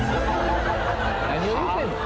何を言うてんの？